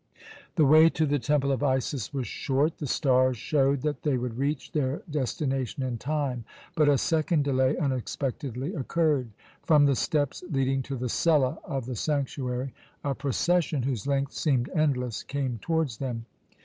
The way to the Temple of Isis was short. The stars showed that they would reach their destination in time; but a second delay unexpectedly occurred. From the steps leading to the cella of the sanctuary a procession, whose length seemed endless, came towards them.